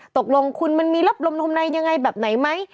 ตกลงคุณมันมีรับลมนมในยังไงแบบไหนไหม